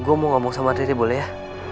gue mau ngomong sama titi boleh ya